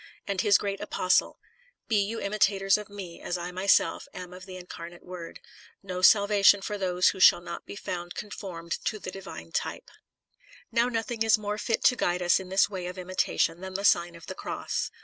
And His great Apostle: "Be you imitators of me, as I myself am of the Incarnate Word ; no salvation for those who shall not be found conformed to the divine type." 21* 282 The Sign of the Ci oss Now nothing is more fit to guide us in this way of imitation than the Sign of the Cross.